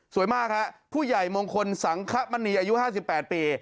สวยมากฮะผู้ใหญ่มงคลสังขมณีอายุห้าสิบแปดปี